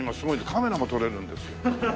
カメラも撮れるんですよ。